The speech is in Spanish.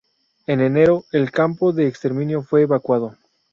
En enero, el campo de exterminio fue evacuado.